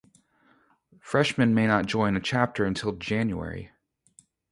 Freshmen may not join a chapter until January.